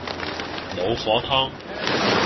老火湯